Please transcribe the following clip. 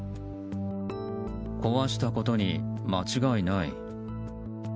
壊したことに間違いない。